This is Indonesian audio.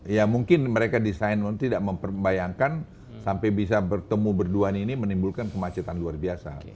ya mungkin mereka desain mungkin tidak membayangkan sampai bisa bertemu berdua ini menimbulkan kemacetan luar biasa